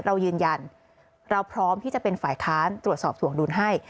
เรายืนยันเราพร้อมที่จะเป็นฝ่ายค้านตรวจสอบถวงดุลให้